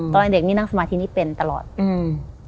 ตอนเด็กนี่นั่งสมาธินี่เป็นตลอดอืม